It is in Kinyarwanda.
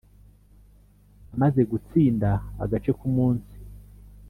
Amaze gutsinda agace k’umunsi